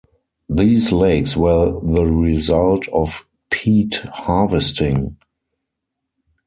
These lakes were the result of peat harvesting.